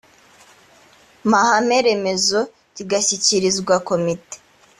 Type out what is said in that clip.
mahame remezo kigashyikirizwa komite